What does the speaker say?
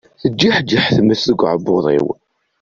Tejjeḥjeḥ tmes di tɛebbuḍt-iw.